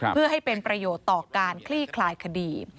เพื่อให้เป็นประโยชน์ต่อการคลี่คลายคดี